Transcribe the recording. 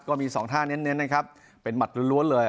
ก็มีสองท่าเน้นนะครับเป็นหัดล้วนเลย